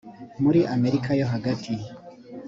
muri amerika yo hagati